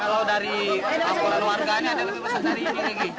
kalau dari laporan warganya ada lebih besar dari ini